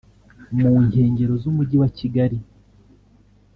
mu nkengero z’Umujyi wa Kigali